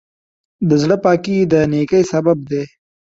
د زړۀ پاکي د نیکۍ سبب دی.